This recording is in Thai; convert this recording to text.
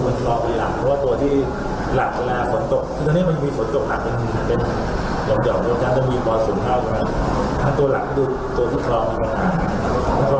ของสุรัจภาพด้านบนอันนี้ที่มีอาหารทำให้สมทรกของเขา